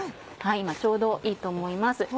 今ちょうどいいと思います。